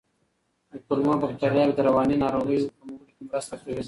د کولمو بکتریاوې د رواني ناروغیو کمولو کې مرسته کوي.